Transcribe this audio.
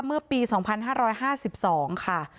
เมื่อปี๒๕๕๒ค่ะ